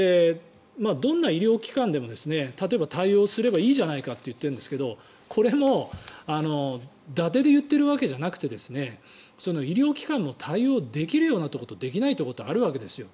どんな医療機関でも例えば、対応すればいいじゃないかって言っているんですけどこれもだてで言っているわけじゃなくて医療機関も対応できるようなところとできないようなところがあるわけですよ。